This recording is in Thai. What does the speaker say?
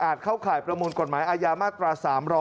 เข้าข่ายประมวลกฎหมายอาญามาตรา๓๒